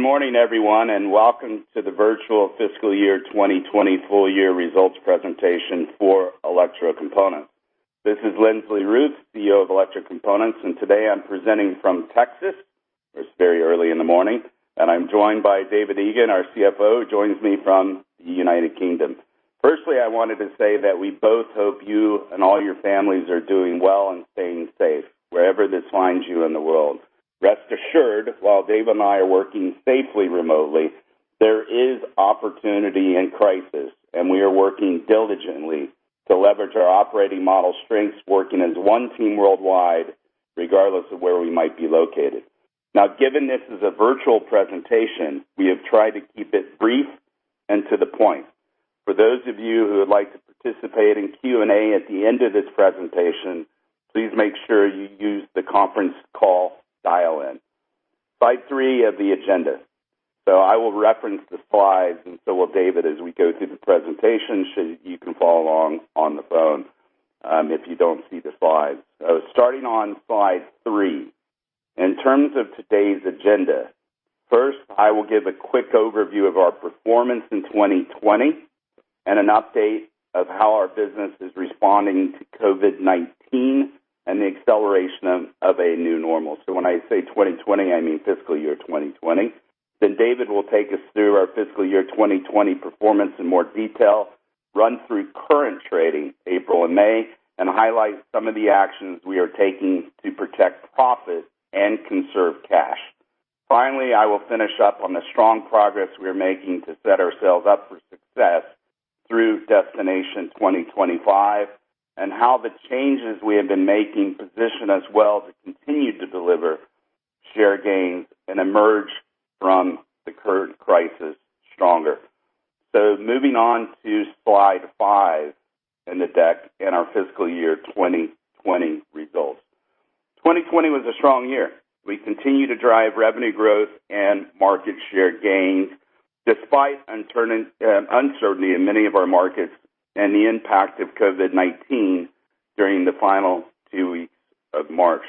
Good morning, everyone, welcome to the virtual fiscal year 2020 full year results presentation for Electrocomponents. This is Lindsley Ruth, CEO of Electrocomponents, and today I'm presenting from Texas. It's very early in the morning, and I'm joined by David Egan, our CFO, who joins me from the United Kingdom. Firstly, I wanted to say that we both hope you and all your families are doing well and staying safe wherever this finds you in the world. Rest assured, while Dave and I are working safely remotely, there is opportunity in crisis, and we are working diligently to leverage our operating model strengths, working as one team worldwide, regardless of where we might be located. Given this is a virtual presentation, we have tried to keep it brief and to the point. For those of you who would like to participate in Q&A at the end of this presentation, please make sure you use the conference call dial-in. Slide three of the agenda. I will reference the slides, and so will David, as we go through the presentation, so you can follow along on the phone if you don't see the slides. Starting on slide three. In terms of today's agenda, first, I will give a quick overview of our performance in 2020 and an update of how our business is responding to COVID-19 and the acceleration of a new normal. When I say 2020, I mean fiscal year 2020. David will take us through our fiscal year 2020 performance in more detail, run through current trading, April and May, and highlight some of the actions we are taking to protect profit and conserve cash. Finally, I will finish up on the strong progress we are making to set ourselves up for success through Destination 2025 and how the changes we have been making position us well to continue to deliver share gains and emerge from the current crisis stronger. Moving on to slide five in the deck in our fiscal year 2020 results. 2020 was a strong year. We continue to drive revenue growth and market share gains despite uncertainty in many of our markets and the impact of COVID-19 during the final two weeks of March.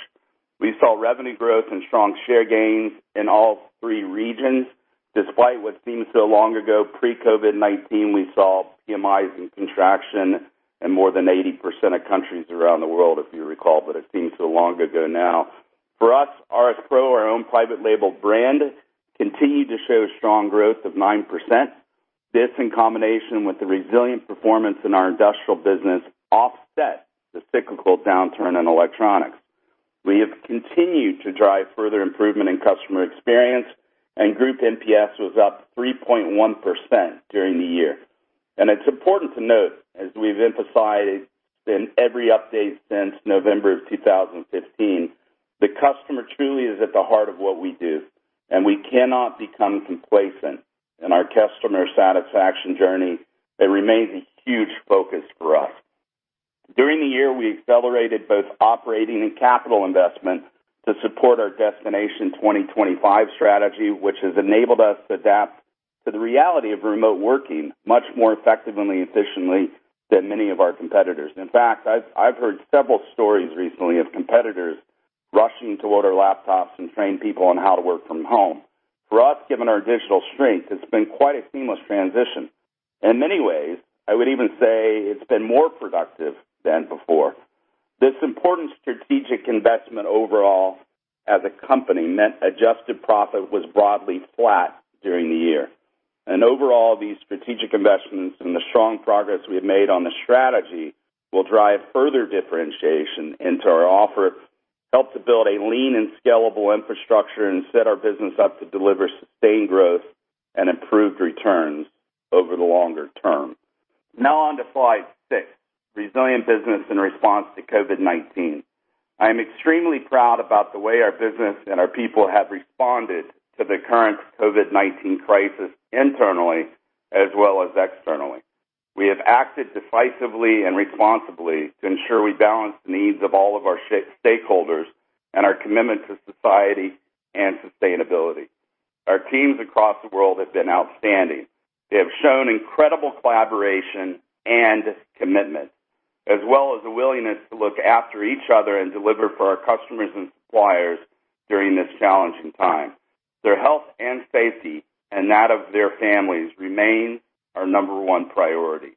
We saw revenue growth and strong share gains in all three regions. Despite what seems so long ago, pre-COVID-19, we saw PMIs in contraction in more than 80% of countries around the world, if you recall, but it seems so long ago now. For us, RS PRO, our own private label brand, continued to show strong growth of 9%. This, in combination with the resilient performance in our industrial business, offset the cyclical downturn in electronics. We have continued to drive further improvement in customer experience, and Group NPS was up 3.1% during the year. It's important to note, as we've emphasized in every update since November of 2015, the customer truly is at the heart of what we do, and we cannot become complacent in our customer satisfaction journey. They remain a huge focus for us. During the year, we accelerated both operating and capital investment to support our Destination 2025 strategy, which has enabled us to adapt to the reality of remote working much more effectively and efficiently than many of our competitors. In fact, I've heard several stories recently of competitors rushing to order laptops and train people on how to work from home. For us, given our digital strength, it's been quite a seamless transition. In many ways, I would even say it's been more productive than before. This important strategic investment overall as a company meant adjusted profit was broadly flat during the year. Overall, these strategic investments and the strong progress we have made on the strategy will drive further differentiation into our offer, help to build a lean and scalable infrastructure, and set our business up to deliver sustained growth and improved returns over the longer term. Now, on to slide six, resilient business in response to COVID-19. I am extremely proud about the way our business and our people have responded to the current COVID-19 crisis internally as well as externally. We have acted decisively and responsibly to ensure we balance the needs of all of our stakeholders and our commitment to society and sustainability. Our teams across the world have been outstanding. They have shown incredible collaboration and commitment, as well as a willingness to look after each other and deliver for our customers and suppliers during this challenging time. Their health and safety, and that of their families, remain our number one priority.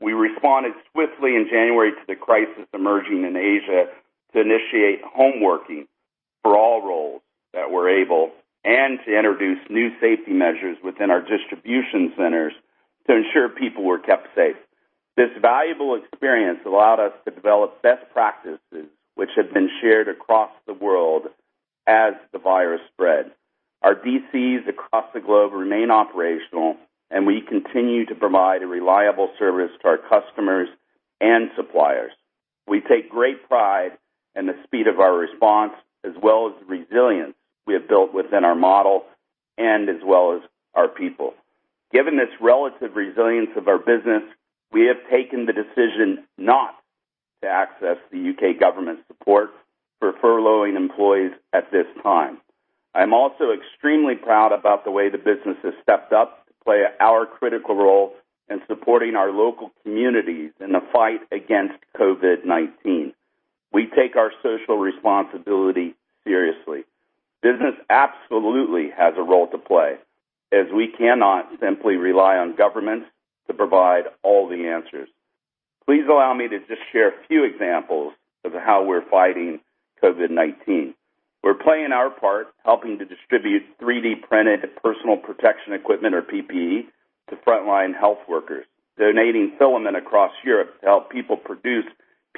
We responded swiftly in January to the crisis emerging in Asia to initiate home working for all roles that were able, and to introduce new safety measures within our distribution centers to ensure people were kept safe. This valuable experience allowed us to develop best practices which have been shared across the world as the virus spread. Our DCs across the globe remain operational, and we continue to provide a reliable service to our customers and suppliers. We take great pride in the speed of our response, as well as the resilience we have built within our model and as well as our people. Given this relative resilience of our business, we have taken the decision not to access the U.K. government support for furloughing employees at this time. I'm also extremely proud about the way the business has stepped up to play our critical role in supporting our local communities in the fight against COVID-19. We take our social responsibility seriously. Business absolutely has a role to play, as we cannot simply rely on government to provide all the answers. Please allow me to just share a few examples of how we're fighting COVID-19. We're playing our part, helping to distribute 3D-printed personal protection equipment, or PPE, to frontline health workers, donating filament across Europe to help people produce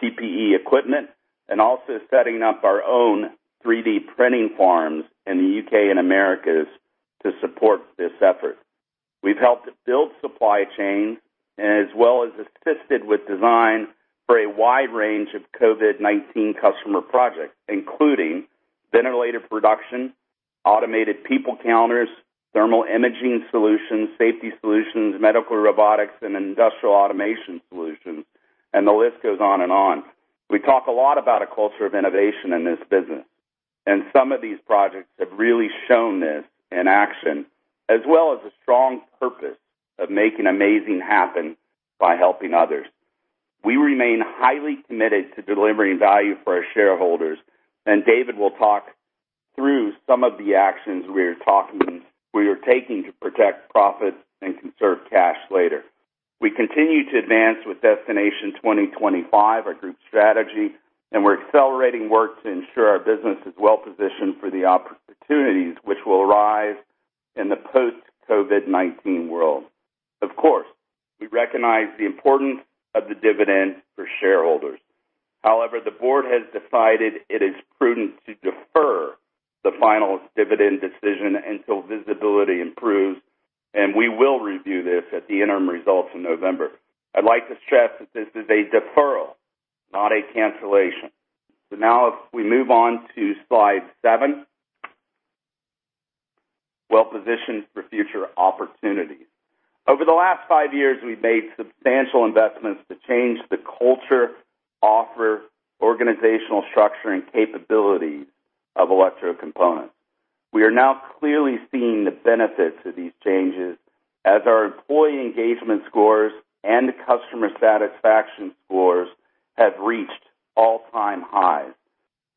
PPE equipment, and also setting up our own 3D printing farms in the U.K. and Americas to support this effort. We've helped build supply chains and as well as assisted with design for a wide range of COVID-19 customer projects, including ventilator production, automated people counters, thermal imaging solutions, safety solutions, medical robotics, and industrial automation solutions, and the list goes on and on. We talk a lot about a culture of innovation in this business, and some of these projects have really shown this in action, as well as a strong purpose of making amazing happen by helping others. We remain highly committed to delivering value for our shareholders, and David will talk through some of the actions we are taking to protect profits and conserve cash later. We continue to advance with Destination 2025, our group strategy, and we're accelerating work to ensure our business is well-positioned for the opportunities which will arise in the post-COVID-19 world. Of course, we recognize the importance of the dividend for shareholders. However, the board has decided it is prudent to defer the final dividend decision until visibility improves, and we will review this at the interim results in November. I'd like to stress that this is a deferral, not a cancellation. Now, if we move on to slide seven. Well-positioned for future opportunities. Over the last five years, we've made substantial investments to change the culture, offer, organizational structure, and capabilities of Electrocomponents. We are now clearly seeing the benefits of these changes as our employee engagement scores and customer satisfaction scores have reached all-time highs.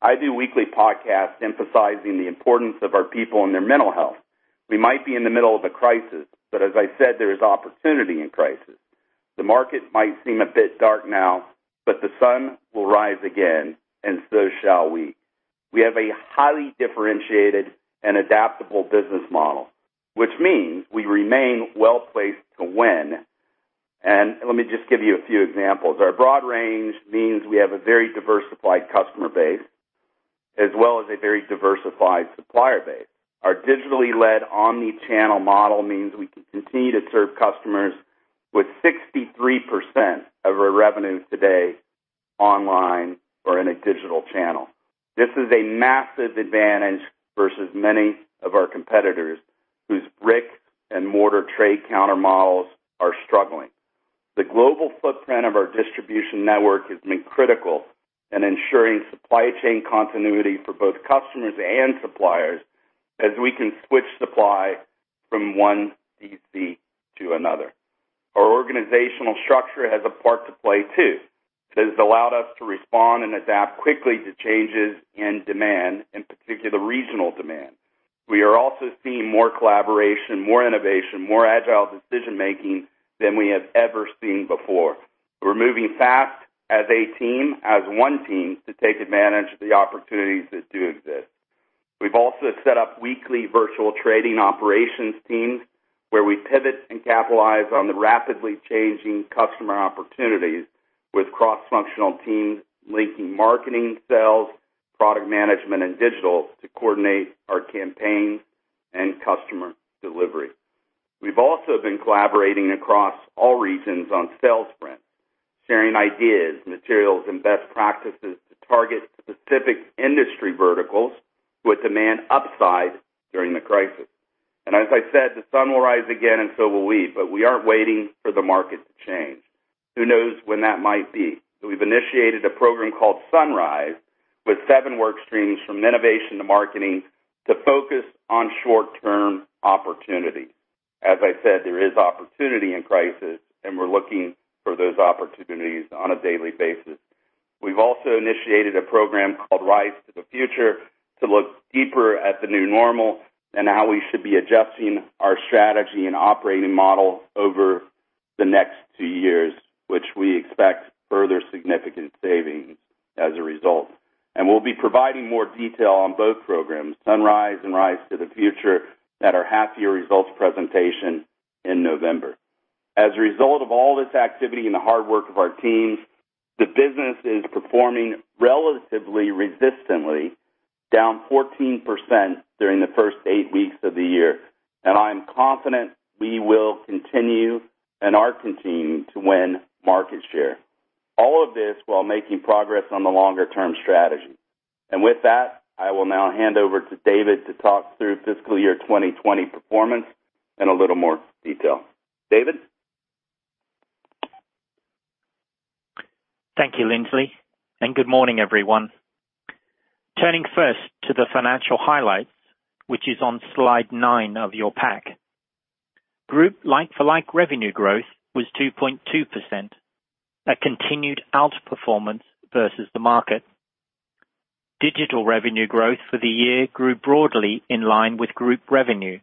I do weekly podcasts emphasizing the importance of our people and their mental health. We might be in the middle of a crisis. As I said, there is opportunity in crisis. The market might seem a bit dark now. The sun will rise again. Shall we. We have a highly differentiated and adaptable business model, which means we remain well-placed to win. Let me just give you a few examples. Our broad range means we have a very diversified customer base, as well as a very diversified supplier base. Our digitally led omni-channel model means we can continue to serve customers with 63% of our revenue today online or in a digital channel. This is a massive advantage versus many of our competitors, whose brick-and-mortar trade counter models are struggling. The global footprint of our distribution network has been critical in ensuring supply chain continuity for both customers and suppliers, as we can switch supply from one DC to another. Our organizational structure has a part to play, too, as it has allowed us to respond and adapt quickly to changes in demand, in particular, regional demand. We are also seeing more collaboration, more innovation, more agile decision-making than we have ever seen before. We're moving fast as a team, as one team, to take advantage of the opportunities that do exist. We've also set up weekly virtual trading operations teams, where we pivot and capitalize on the rapidly changing customer opportunities with cross-functional teams linking marketing, sales, product management, and digital to coordinate our campaigns and customer delivery. We've also been collaborating across all regions on sales sprints, sharing ideas, materials, and best practices to target specific industry verticals with demand upside during the crisis. As I said, the sun will rise again, and so will we, but we aren't waiting for the market to change. Who knows when that might be? We've initiated a program called Sunrise with seven work streams from innovation to marketing to focus on short-term opportunity. As I said, there is opportunity in crisis, and we're looking for those opportunities on a daily basis. We've also initiated a program called Rise to the Future to look deeper at the new normal and how we should be adjusting our strategy and operating model over the next two years, which we expect further significant savings as a result. We'll be providing more detail on both programs, Sunrise and Rise to the Future, at our half-year results presentation in November. As a result of all this activity and the hard work of our teams, the business is performing relatively resistantly, down 14% during the first eight weeks of the year. I am confident we will continue and are continuing to win market share. All of this while making progress on the longer-term strategy. With that, I will now hand over to David to talk through fiscal year 2020 performance in a little more detail. David? Thank you, Lindsley, and good morning, everyone. Turning first to the financial highlights, which is on slide nine of your pack. Group like-for-like revenue growth was 2.2%, a continued outperformance versus the market. Digital revenue growth for the year grew broadly in line with group revenue.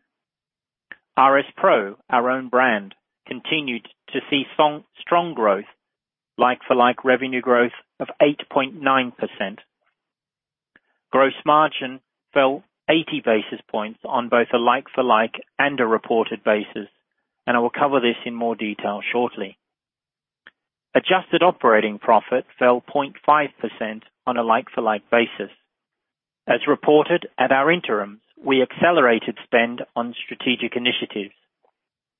RS PRO, our own brand, continued to see strong growth, like-for-like revenue growth of 8.9%. Gross margin fell 80 basis points on both a like-for-like and a reported basis. I will cover this in more detail shortly. Adjusted operating profit fell 0.5% on a like-for-like basis. As reported at our interim, we accelerated spend on strategic initiatives.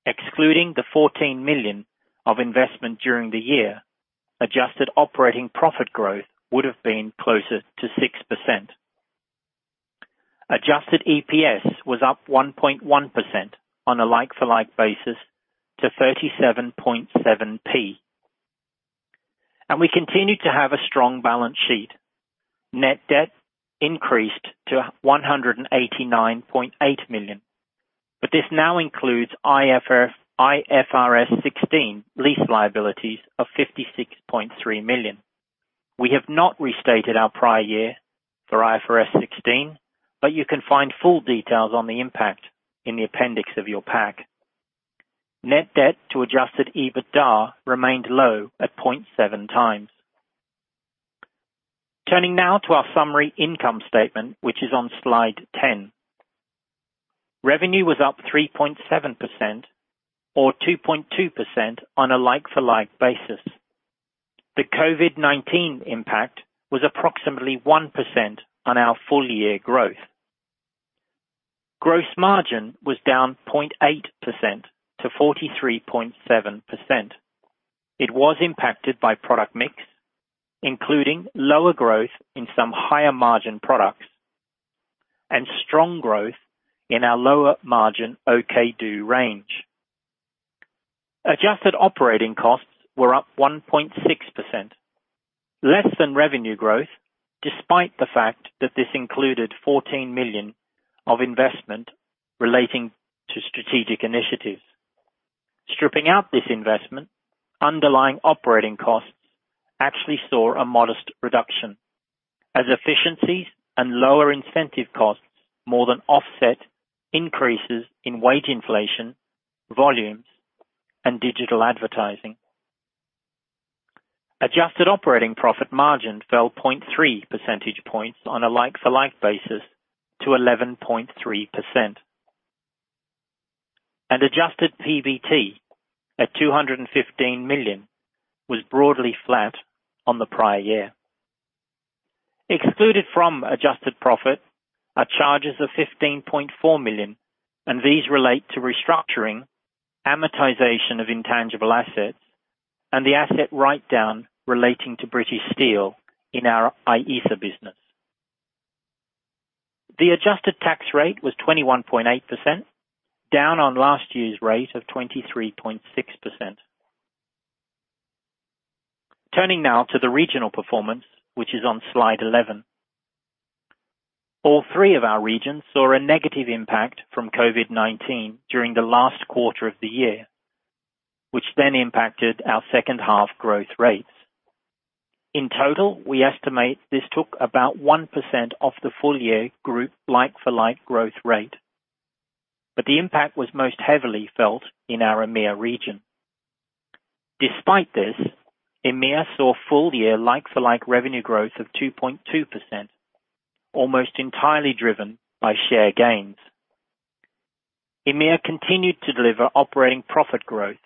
Excluding the 14 million of investment during the year, adjusted operating profit growth would've been closer to 6%. Adjusted EPS was up 1.1% on a like-for-like basis to 0.377. We continued to have a strong balance sheet. Net debt increased to 189.8 million, but this now includes IFRS 16 lease liabilities of 56.3 million. We have not restated our prior year for IFRS 16, but you can find full details on the impact in the appendix of your pack. Net debt to Adjusted EBITDA remained low at 0.7x. Turning now to our summary income statement, which is on slide 10. Revenue was up 3.7% or 2.2% on a like-for-like basis. The COVID-19 impact was approximately 1% on our full year growth. Gross margin was down 0.8% to 43.7%. It was impacted by product mix, including lower growth in some higher margin products and strong growth in our lower margin OKdo range. Adjusted operating costs were up 1.6%, less than revenue growth, despite the fact that this included 14 million of investment relating to strategic initiatives. Stripping out this investment, underlying operating costs actually saw a modest reduction as efficiencies and lower incentive costs more than offset increases in wage inflation, volumes, and digital advertising. Adjusted operating profit margin fell 0.3 percentage points on a like-for-like basis to 11.3%. Adjusted PBT at 215 million was broadly flat on the prior year. Excluded from adjusted profit are charges of 15.4 million, these relate to restructuring, amortization of intangible assets, and the asset write-down relating to British Steel in our IESA business. The adjusted tax rate was 21.8%, down on last year's rate of 23.6%. Turning now to the regional performance, which is on slide 11. All three of our regions saw a negative impact from COVID-19 during the last quarter of the year, which then impacted our second half growth rates. In total, we estimate this took about 1% off the full year group like-for-like growth rate. The impact was most heavily felt in our EMEA region. Despite this, EMEA saw full year like-for-like revenue growth of 2.2%, almost entirely driven by share gains. EMEA continued to deliver operating profit growth,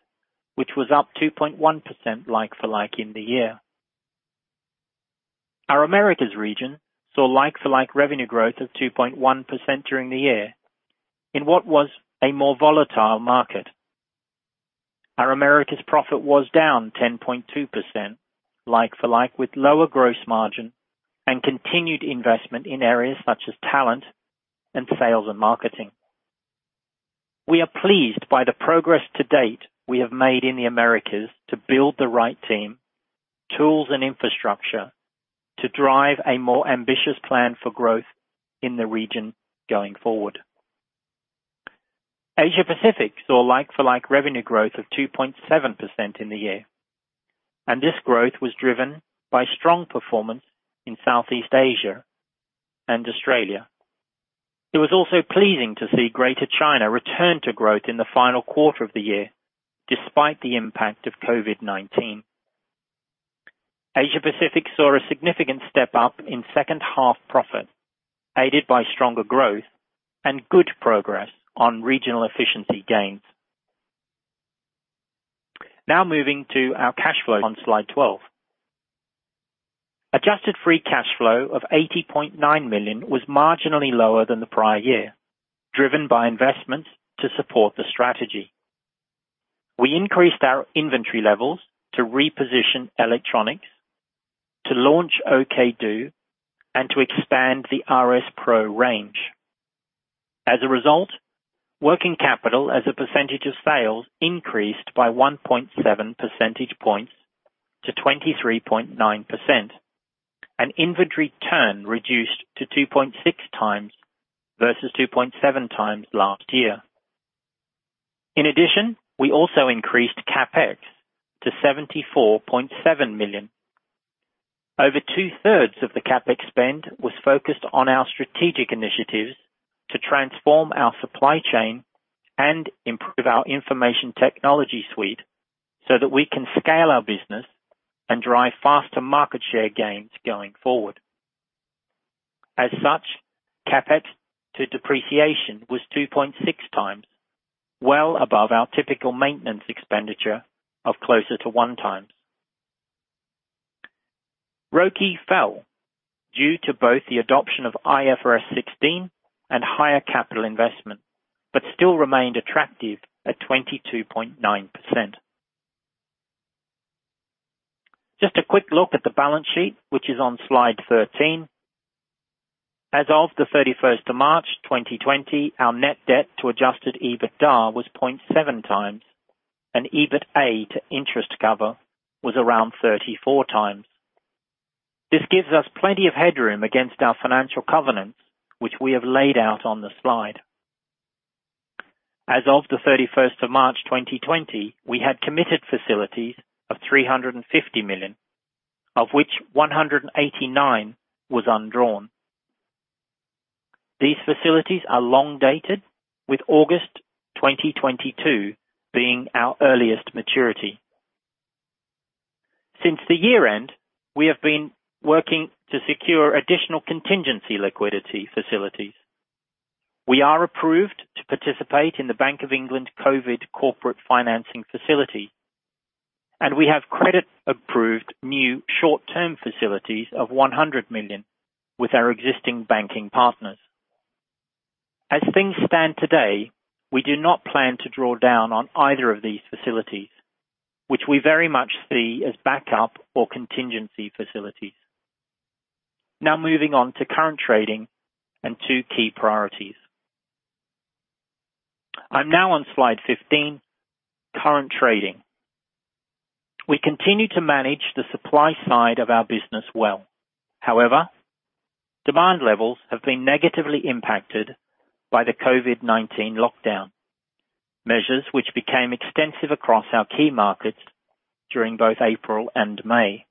which was up 2.1% like-for-like in the year. Our Americas region saw like-for-like revenue growth of 2.1% during the year in what was a more volatile market. Our Americas profit was down 10.2% like-for-like, with lower gross margin and continued investment in areas such as talent and sales and marketing. We are pleased by the progress to date we have made in the Americas to build the right team, tools, and infrastructure to drive a more ambitious plan for growth in the region going forward. Asia Pacific saw like-for-like revenue growth of 2.7% in the year. This growth was driven by strong performance in Southeast Asia and Australia. It was also pleasing to see Greater China return to growth in the final quarter of the year, despite the impact of COVID-19. Asia Pacific saw a significant step-up in second half profit, aided by stronger growth and good progress on regional efficiency gains. Moving to our cash flow on slide 12. Adjusted free cash flow of 80.9 million was marginally lower than the prior year, driven by investments to support the strategy. We increased our inventory levels to reposition electronics, to launch OKdo, and to expand the RS PRO range. As a result, working capital as a percentage of sales increased by 1.7 percentage points to 23.9%, and inventory turn reduced to 2.6x versus 2.7x last year. We also increased CapEx to 74.7 million. Over 2/3 of the CapEx spend was focused on our strategic initiatives to transform our supply chain and improve our information technology suite so that we can scale our business and drive faster market share gains going forward. CapEx to depreciation was 2.6x, well above our typical maintenance expenditure of closer to 1x. ROCE fell due to both the adoption of IFRS 16 and higher capital investment, still remained attractive at 22.9%. Just a quick look at the balance sheet, which is on slide 13. As of the 31st of March 2020, our net debt to Adjusted EBITDA was 0.7x, EBITA to interest cover was around 34x. This gives us plenty of headroom against our financial covenants, which we have laid out on the slide. As of the 31st of March 2020, we had committed facilities of 350 million, of which 189 million was undrawn. These facilities are long dated, with August 2022 being our earliest maturity. Since the year-end, we have been working to secure additional contingency liquidity facilities. We are approved to participate in the Bank of England Covid Corporate Financing Facility, and we have credit-approved new short-term facilities of 100 million with our existing banking partners. As things stand today, we do not plan to draw down on either of these facilities, which we very much see as backup or contingency facilities. Moving on to current trading and two key priorities. I'm now on slide 15, current trading. We continue to manage the supply side of our business well. Demand levels have been negatively impacted by the COVID-19 lockdown, measures which became extensive across our key markets during both April and May.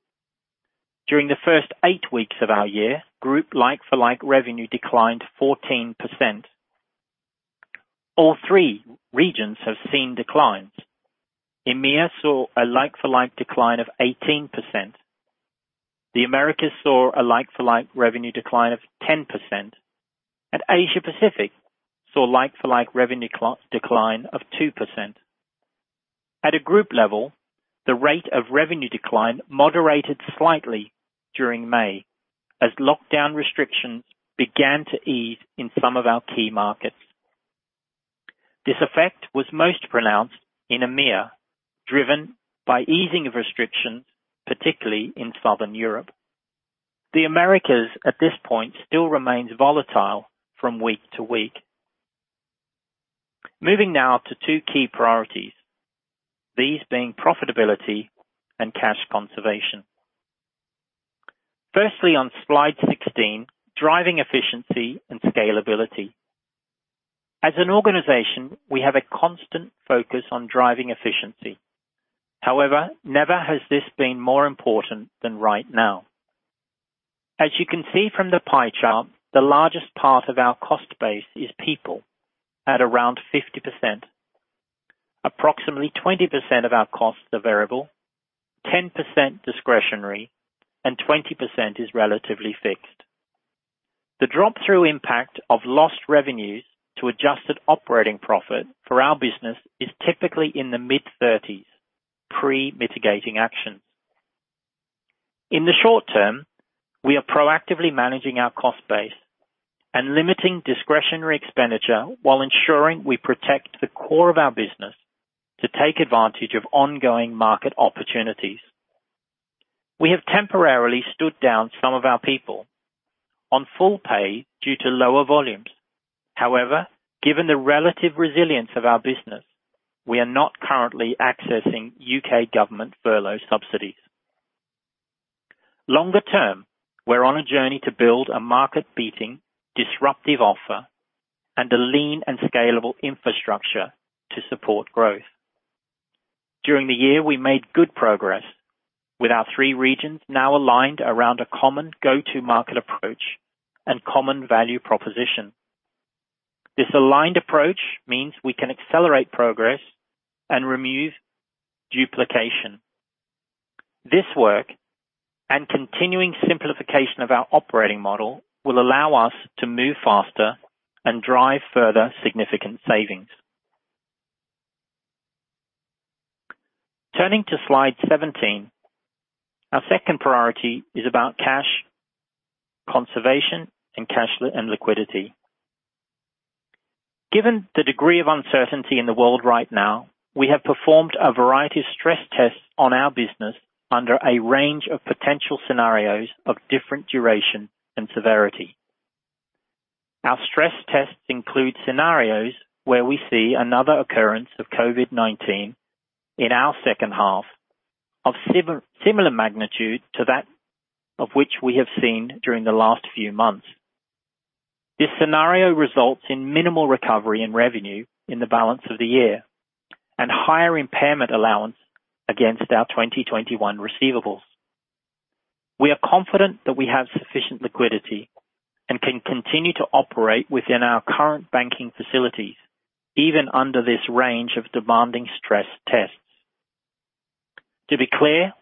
During the first eight weeks of our year, group like-for-like revenue declined 14%. All three regions have seen declines. EMEA saw a like-for-like decline of 18%, the Americas saw a like-for-like revenue decline of 10%, Asia-Pacific saw like-for-like revenue decline of 2%. At a group level, the rate of revenue decline moderated slightly during May as lockdown restrictions began to ease in some of our key markets. This effect was most pronounced in EMEA, driven by easing of restrictions, particularly in Southern Europe. The Americas, at this point, still remains volatile from week to week. Moving now to two key priorities, these being profitability and cash conservation. Firstly, on slide 16, driving efficiency and scalability. As an organization, we have a constant focus on driving efficiency. However, never has this been more important than right now. As you can see from the pie chart, the largest part of our cost base is people at around 50%. Approximately 20% of our costs are variable, 10% discretionary, and 20% is relatively fixed. The drop-through impact of lost revenues to adjusted operating profit for our business is typically in the mid-30s, pre mitigating actions. In the short term, we are proactively managing our cost base and limiting discretionary expenditure while ensuring we protect the core of our business to take advantage of ongoing market opportunities. We have temporarily stood down some of our people on full pay due to lower volumes. However, given the relative resilience of our business, we are not currently accessing U.K. government furlough subsidies. Longer term, we're on a journey to build a market-beating disruptive offer and a lean and scalable infrastructure to support growth. During the year, we made good progress with our three regions now aligned around a common go-to market approach and common value proposition. This aligned approach means we can accelerate progress and remove duplication. This work and continuing simplification of our operating model will allow us to move faster and drive further significant savings. Turning to slide 17. Our second priority is about cash conservation and liquidity. Given the degree of uncertainty in the world right now, we have performed a variety of stress tests on our business under a range of potential scenarios of different duration and severity. Our stress tests include scenarios where we see another occurrence of COVID-19 in our second half of similar magnitude to that of which we have seen during the last few months. This scenario results in minimal recovery in revenue in the balance of the year, and higher impairment allowance against our 2021 receivables. We are confident that we have sufficient liquidity and can continue to operate within our current banking facilities, even under this range of demanding stress tests. To be clear,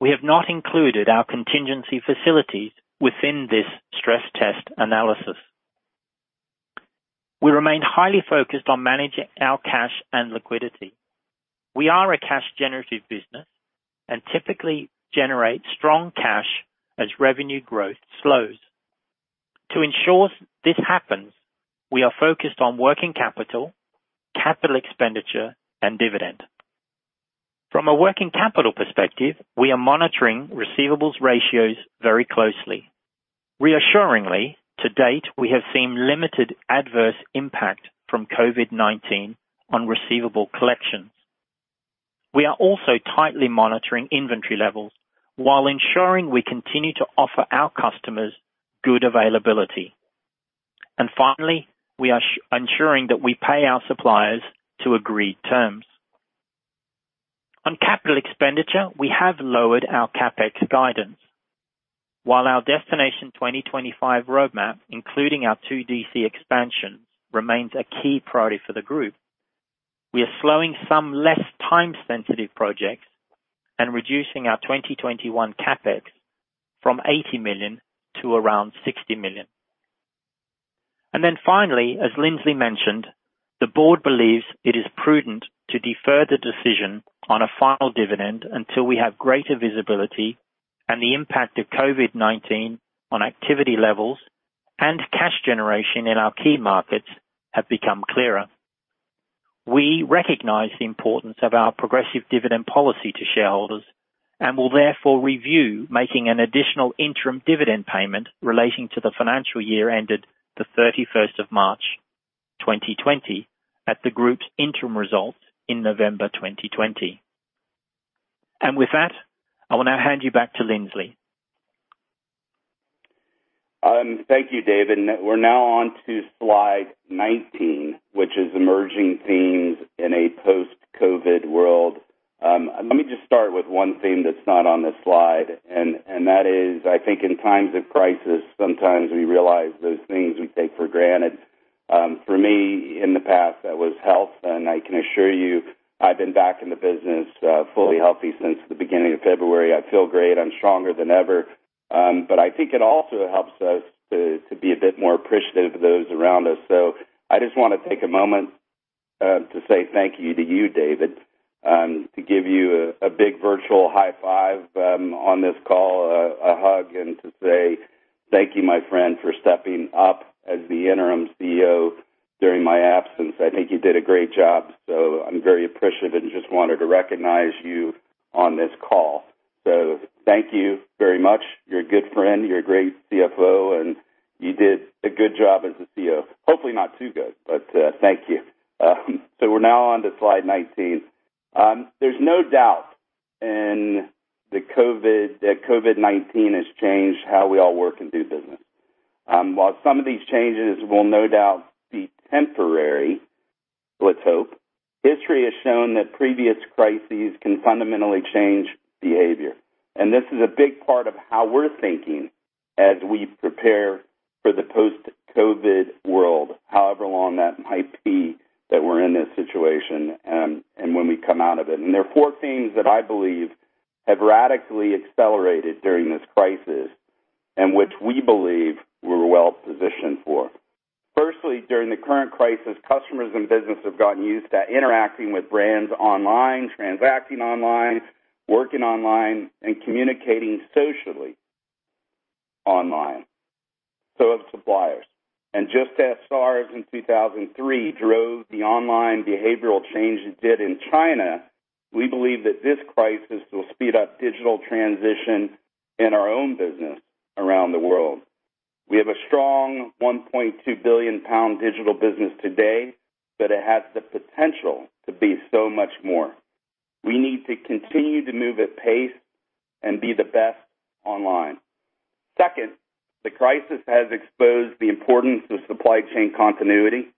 we have not included our contingency facilities within this stress test analysis. We remain highly focused on managing our cash and liquidity. We are a cash generative business and typically generate strong cash as revenue growth slows. To ensure this happens, we are focused on working capital expenditure, and dividend. From a working capital perspective, we are monitoring receivables ratios very closely. Reassuringly, to date, we have seen limited adverse impact from COVID-19 on receivable collections. We are also tightly monitoring inventory levels while ensuring we continue to offer our customers good availability. Finally, we are ensuring that we pay our suppliers to agreed terms. On capital expenditure, we have lowered our CapEx guidance. While our Destination 2025 roadmap, including our two DC expansions, remains a key priority for the group, we are slowing some less time-sensitive projects and reducing our 2021 CapEx from 80 million to around 60 million. Then finally, as Lindsley mentioned, the board believes it is prudent to defer the decision on a final dividend until we have greater visibility and the impact of COVID-19 on activity levels and cash generation in our key markets have become clearer. We recognize the importance of our progressive dividend policy to shareholders and will therefore review making an additional interim dividend payment relating to the financial year ended the 31st of March 2020 at the group's interim results in November 2020. With that, I will now hand you back to Lindsley. Thank you, David. We're now on to slide 19, which is emerging themes in a post-COVID world. Let me just start with one theme that's not on this slide, and that is, I think in times of crisis, sometimes we realize those things we take for granted. For me, in the past, that was health, and I can assure you I've been back in the business fully healthy since the beginning of February. I feel great. I'm stronger than ever. I think it also helps us to be a bit more appreciative of those around us. I just want to take a moment to say thank you to you, David, to give you a big virtual high five on this call, a hug, and to say thank you, my friend, for stepping up as the interim CEO during my absence. I think you did a great job. I'm very appreciative and just wanted to recognize you on this call. Thank you very much. You're a good friend, you're a great CFO, and you did a good job as a CEO. Hopefully not too good. Thank you. We're now on to slide 19. There's no doubt COVID-19 has changed how we all work and do business. While some of these changes will no doubt be temporary, let's hope, history has shown that previous crises can fundamentally change behavior. This is a big part of how we're thinking as we prepare for the post-COVID world, however long that might be that we're in this situation and when we come out of it. There are four themes that I believe have radically accelerated during this crisis, and which we believe we're well positioned for. Firstly, during the current crisis, customers and business have gotten used to interacting with brands online, transacting online, working online, and communicating socially online. Have suppliers. Just as SARS in 2003 drove the online behavioral change it did in China, we believe that this crisis will speed up digital transition in our own business around the world. We have a strong 1.2 billion pound digital business today, but it has the potential to be so much more. We need to continue to move at pace and be the best online. Second, the crisis has exposed the importance of supply chain continuity.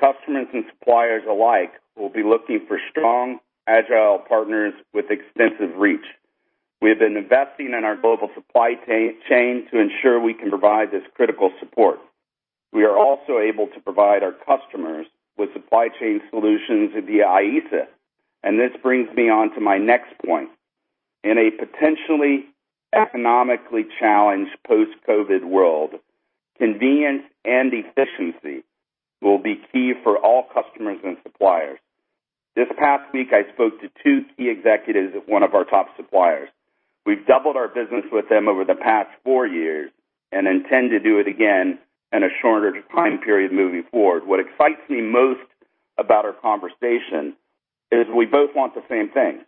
Customers and suppliers alike will be looking for strong, agile partners with extensive reach. We have been investing in our global supply chain to ensure we can provide this critical support. We are also able to provide our customers with supply chain solutions via IESA. This brings me on to my next point. In a potentially economically challenged post-COVID world, convenience and efficiency will be key for all customers and suppliers. This past week, I spoke to two key executives of one of our top suppliers. We've doubled our business with them over the past four years, and intend to do it again in a shorter time period moving forward. What excites me most about our conversation is we both want the same thing.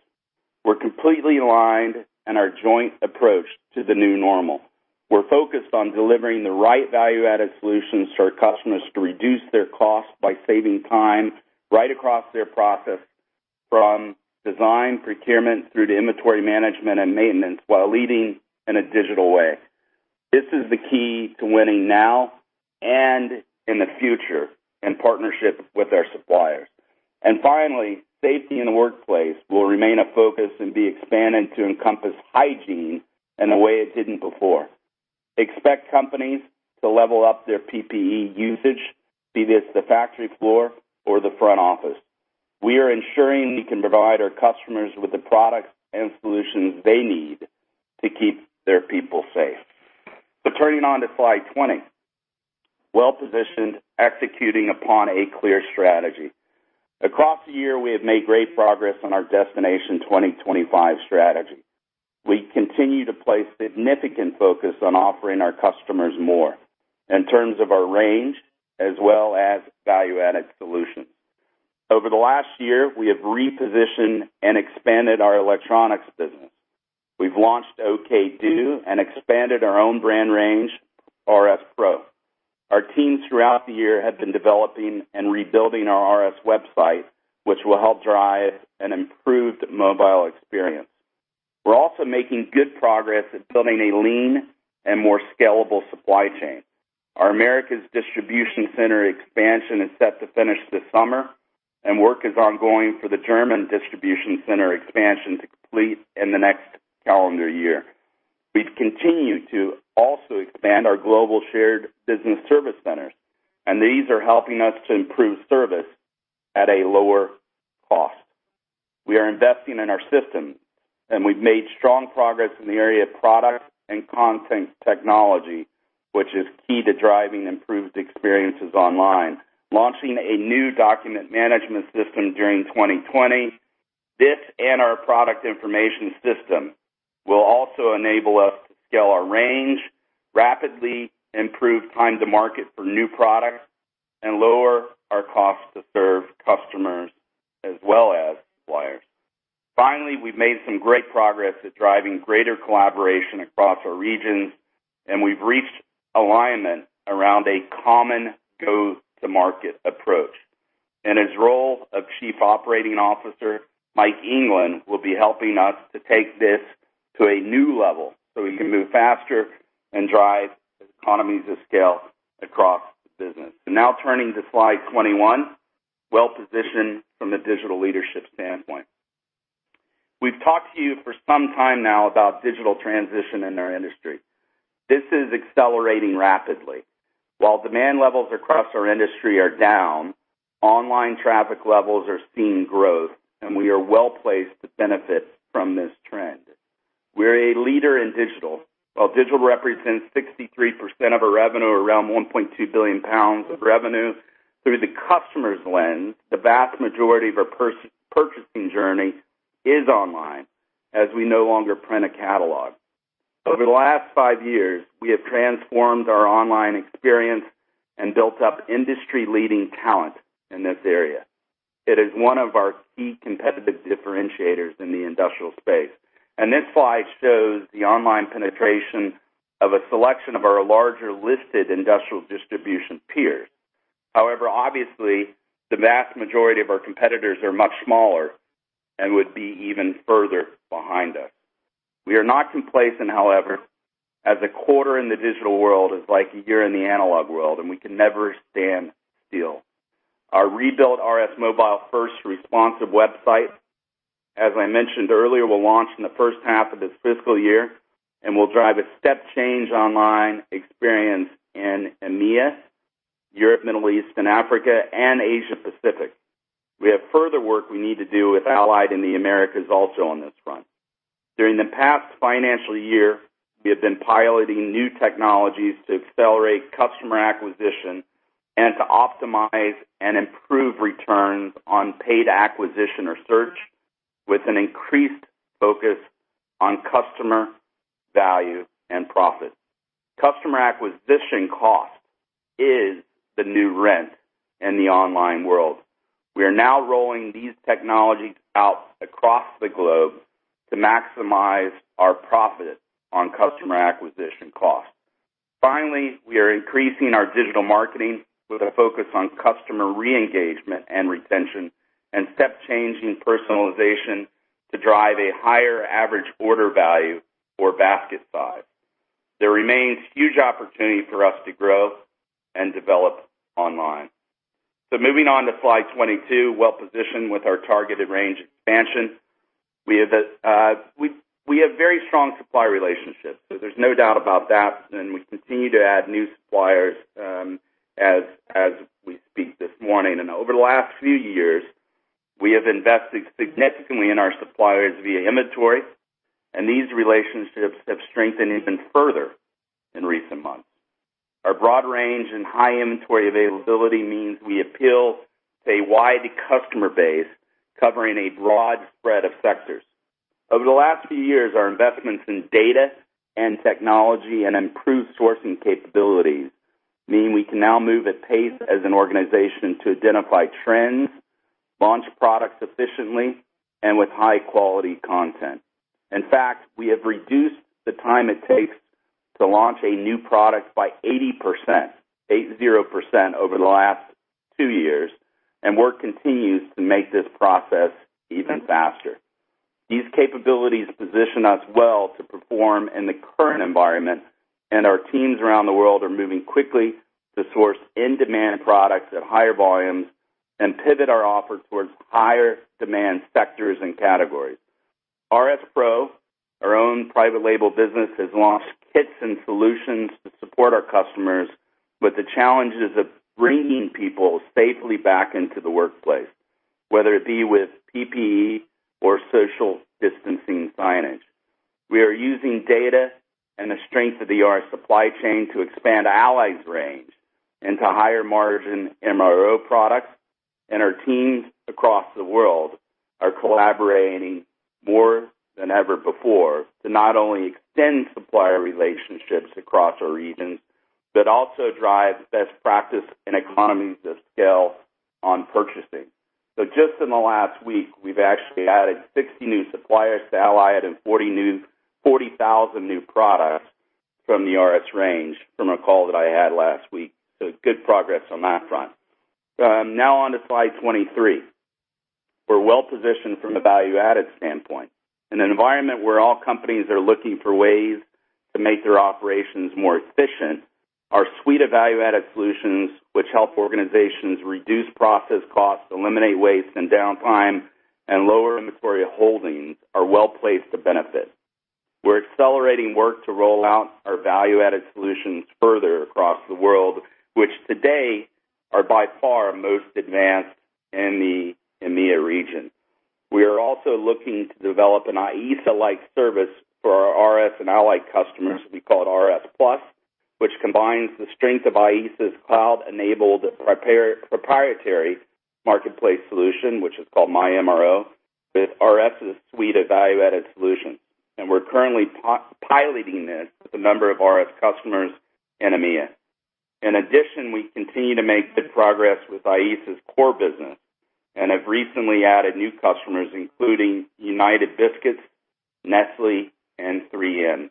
We're completely aligned in our joint approach to the new normal. We're focused on delivering the right value-added solutions to our customers to reduce their costs by saving time right across their process, from design, procurement, through to inventory management and maintenance, while leading in a digital way. This is the key to winning now and in the future in partnership with our suppliers. Finally, safety in the workplace will remain a focus and be expanded to encompass hygiene in a way it didn't before. Expect companies to level up their PPE usage, be this the factory floor or the front office. We are ensuring we can provide our customers with the products and solutions they need to keep their people safe. Turning on to slide 20. Well-positioned, executing upon a clear strategy. Across the year, we have made great progress on our Destination 2025 strategy. We continue to place significant focus on offering our customers more in terms of our range as well as value-added solutions. Over the last year, we have repositioned and expanded our electronics business. We've launched OKdo and expanded our own brand range, RS PRO. Our teams throughout the year have been developing and rebuilding our RS website, which will help drive an improved mobile experience. We're also making good progress at building a lean and more scalable supply chain. Our Americas distribution center expansion is set to finish this summer, and work is ongoing for the German distribution center expansion to complete in the next calendar year. We've continued to also expand our global shared business service centers. These are helping us to improve service at a lower cost. We are investing in our systems, and we've made strong progress in the area of product and content technology, which is key to driving improved experiences online, launching a new document management system during 2020. This and our product information system will also enable us to scale our range, rapidly improve time to market for new products, and lower our costs to serve customers as well as suppliers. Finally, we've made some great progress at driving greater collaboration across our regions, and we've reached alignment around a common go-to-market approach. In his role of Chief Operating Officer, Mike England will be helping us to take this to a new level so we can move faster and drive economies of scale across the business. Now turning to slide 21. Well-positioned from a digital leadership standpoint. We've talked to you for some time now about digital transition in our industry. This is accelerating rapidly. While demand levels across our industry are down, online traffic levels are seeing growth, and we are well-placed to benefit from this trend. We're a leader in digital. While digital represents 63% of our revenue, around 1.2 billion pounds of revenue, through the customer's lens, the vast majority of our purchasing journey is online, as we no longer print a catalog. Over the last five years, we have transformed our online experience and built up industry-leading talent in this area. It is one of our key competitive differentiators in the industrial space. This slide shows the online penetration of a selection of our larger listed industrial distribution peers. However, obviously, the vast majority of our competitors are much smaller and would be even further behind us. We are not complacent, however, as a quarter in the digital world is like a year in the analog world, and we can never stand still. Our rebuilt RS mobile-first responsive website, as I mentioned earlier, will launch in the first half of this fiscal year and will drive a step change online experience in EMEA, Europe, Middle East, and Africa, and Asia Pacific. We have further work we need to do with Allied in the Americas also on this front. During the past financial year, we have been piloting new technologies to accelerate customer acquisition and to optimize and improve returns on paid acquisition or search with an increased focus on customer value and profit. Customer acquisition cost is the new rent in the online world. We are now rolling these technologies out across the globe to maximize our profit on customer acquisition costs. Finally, we are increasing our digital marketing with a focus on customer re-engagement and retention and step change in personalization to drive a higher average order value or basket size. There remains huge opportunity for us to grow and develop online. Moving on to slide 22, well-positioned with our targeted range expansion. We have very strong supplier relationships, so there's no doubt about that, and we continue to add new suppliers as we speak this morning. Over the last few years, we have invested significantly in our suppliers via inventory, and these relationships have strengthened even further in recent months. Our broad range and high inventory availability means we appeal to a wide customer base covering a broad spread of sectors. Over the last few years, our investments in data and technology and improved sourcing capabilities mean we can now move at pace as an organization to identify trends, launch products efficiently, and with high-quality content. In fact, we have reduced the time it takes to launch a new product by 80% over the last two years, and work continues to make this process even faster. These capabilities position us well to perform in the current environment, and our teams around the world are moving quickly to source in-demand products at higher volumes and pivot our offer towards higher demand sectors and categories. RS PRO, our own private label business, has launched kits and solutions to support our customers with the challenges of bringing people safely back into the workplace, whether it be with PPE or social distancing signage. We are using data and the strength of the RS supply chain to expand Allied's range into higher margin MRO products. Our teams across the world are collaborating more than ever before to not only extend supplier relationships across our regions, but also drive best practice and economies of scale on purchasing. Just in the last week, we've actually added 60 new suppliers to Allied and 40,000 new products from the RS range from a call that I had last week. Good progress on that front. Now on to slide 23. We're well-positioned from a value-added standpoint. In an environment where all companies are looking for ways to make their operations more efficient, our suite of value-added solutions, which help organizations reduce process costs, eliminate waste and downtime, and lower inventory holdings, are well-placed to benefit. We're accelerating work to roll out our value-added solutions further across the world, which today are by far most advanced in the EMEA region. We are also looking to develop an IESA-like service for our RS and Allied customers. We call it RS Plus, which combines the strength of IESA's cloud-enabled proprietary marketplace solution, which is called MyMRO, with RS's suite of value-added solutions. We're currently piloting this with a number of RS customers in EMEA. In addition, we continue to make good progress with IESA's core business and have recently added new customers, including United Biscuits, Nestlé, and 3M.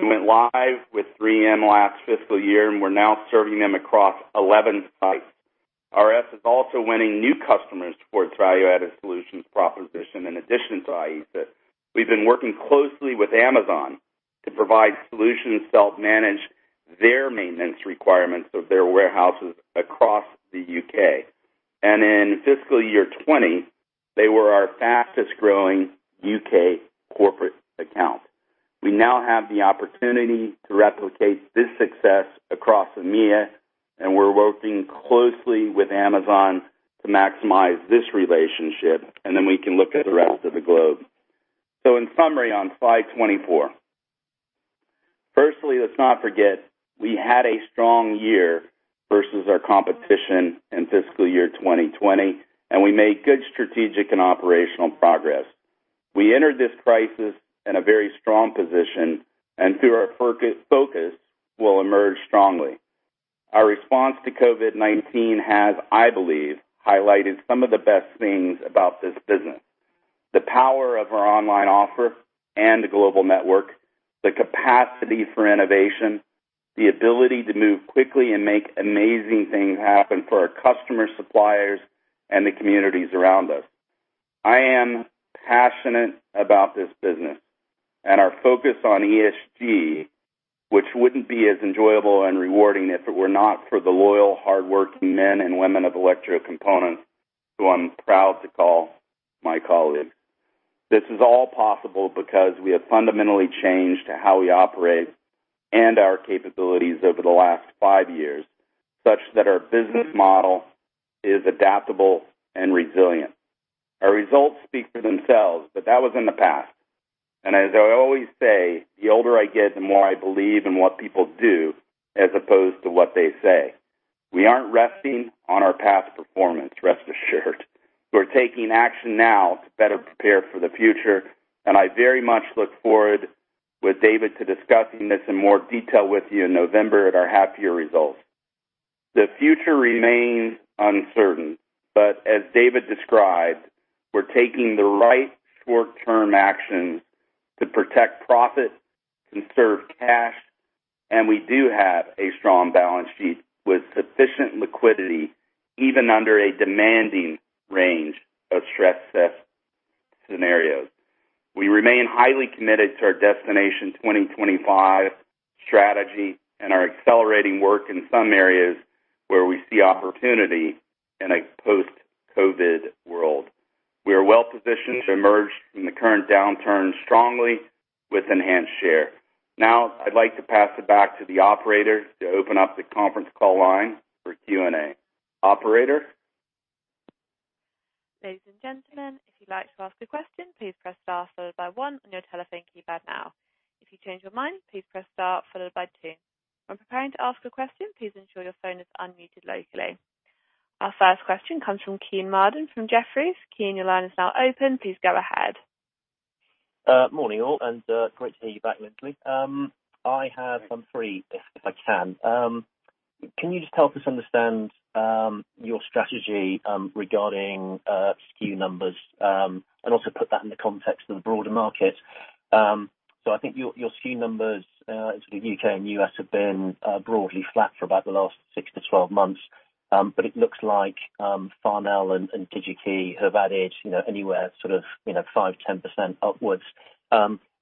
We went live with 3M last fiscal year, and we're now serving them across 11 sites. RS is also winning new customers towards value-added solutions proposition in addition to IESA. We've been working closely with Amazon to provide solutions to help manage their maintenance requirements of their warehouses across the U.K. In fiscal year 2020, they were our fastest-growing U.K. corporate account. We now have the opportunity to replicate this success across EMEA, and we're working closely with Amazon to maximize this relationship. Then we can look at the rest of the globe. In summary, on slide 24. Firstly, let's not forget, we had a strong year versus our competition in fiscal year 2020, and we made good strategic and operational progress. We entered this crisis in a very strong position and through our focus, will emerge strongly. Our response to COVID-19 has, I believe, highlighted some of the best things about this business. The power of our online offer and global network, the capacity for innovation, the ability to move quickly and make amazing things happen for our customers, suppliers, and the communities around us. I am passionate about this business and our focus on ESG, which wouldn't be as enjoyable and rewarding if it were not for the loyal, hardworking men and women of Electrocomponents, who I'm proud to call my colleagues. This is all possible because we have fundamentally changed how we operate and our capabilities over the last five years, such that our business model is adaptable and resilient. Our results speak for themselves, but that was in the past. As I always say, the older I get, the more I believe in what people do as opposed to what they say. We aren't resting on our past performance, rest assured. We're taking action now to better prepare for the future. I very much look forward with David to discussing this in more detail with you in November at our half-year results. The future remains uncertain. As David described, we're taking the right short-term actions to protect profit, conserve cash, and we do have a strong balance sheet with sufficient liquidity, even under a demanding range of stress test scenarios. We remain highly committed to our Destination 2025 strategy and are accelerating work in some areas where we see opportunity in a post-COVID world. We are well positioned to emerge from the current downturn strongly with enhanced share. Now, I'd like to pass it back to the operator to open up the conference call line for Q&A. Operator? Ladies and gentlemen, if you'd like to ask a question, please press star followed by one on your telephone keypad now. If you change your mind, please press star followed by two. When preparing to ask a question, please ensure your phone is unmuted locally. Our first question comes from Kean Marden from Jefferies. Kean, your line is now open. Please go ahead. Morning all, great to hear you back, Lindsley. I have one free, if I can. Can you just help us understand your strategy regarding SKU numbers, and also put that in the context of the broader market? I think your SKU numbers in sort of U.K. and U.S. have been broadly flat for about the last 6-12 months. It looks like Farnell and DigiKey have added anywhere sort of 5%-10% upwards.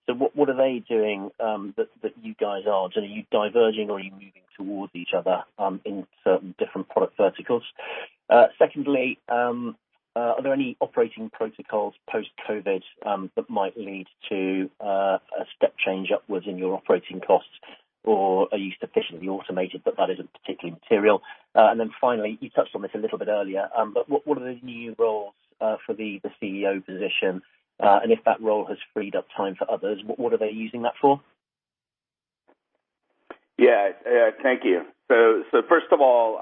What are they doing that you guys aren't? Are you diverging or are you moving towards each other in certain different product verticals? Secondly, are there any operating protocols post-COVID that might lead to a step change upwards in your operating costs? Are you sufficiently automated that that isn't particularly material? Finally, you touched on this a little bit earlier, but what are the new roles for the CEO position? If that role has freed up time for others, what are they using that for? Yeah. Thank you. First of all,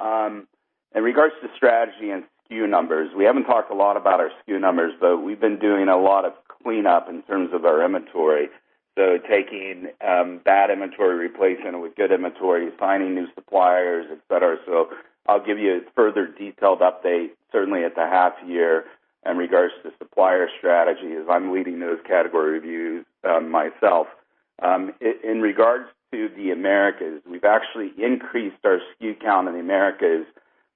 in regards to strategy and SKU numbers, we haven't talked a lot about our SKU numbers, but we've been doing a lot of cleanup in terms of our inventory. Taking bad inventory, replacing it with good inventory, finding new suppliers, et cetera. I'll give you a further detailed update certainly at the half year in regards to the supplier strategy, as I'm leading those category reviews myself. In regards to the Americas, we've actually increased our SKU count in the Americas,